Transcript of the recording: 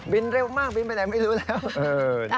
เร็วมากบินไปไหนไม่รู้แล้ว